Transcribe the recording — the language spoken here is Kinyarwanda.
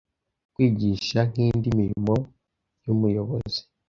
kwigisha nkindi mirimo y’umuyobozi